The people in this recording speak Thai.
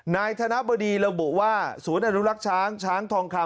ธนบดีระบุว่าศูนย์อนุรักษ์ช้างช้างทองคำ